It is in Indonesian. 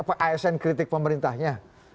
tapi emang boleh asn kritik pemerintahnya